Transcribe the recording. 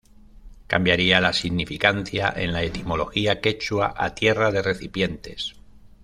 Cambiaria la significancia en la etimología quechua a "Tierra de recipientes".